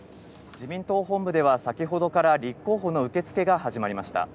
自民党本部では先ほどから立候補の受け付けが始まりました。